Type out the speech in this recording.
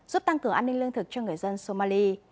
giúp tăng cường an ninh lương thực cho người dân somali